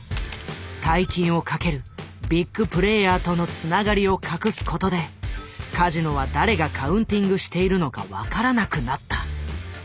大金を賭けるビッグプレイヤーとのつながりを隠すことでカジノは誰がカウンティングしているのか分からなくなった。